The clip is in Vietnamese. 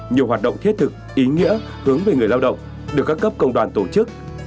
nhiều hoạt động thiết thực ý nghĩa hướng về người lao động được các cấp công đoàn tổ chức